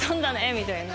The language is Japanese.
みたいな。